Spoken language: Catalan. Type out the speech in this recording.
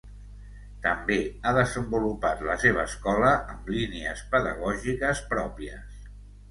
També ha desenvolupat la seva escola amb línies pedagògiques pròpies.